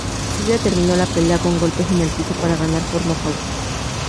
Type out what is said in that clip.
Silva terminó la pelea con golpes en el piso para ganar por nocaut.